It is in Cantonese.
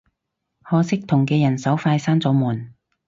可惜同嘅人手快閂咗門